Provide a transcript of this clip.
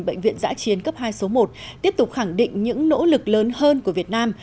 bệnh viện giã chiến cấp hai số một tiếp tục khẳng định những nỗ lực lớn hơn của việt nam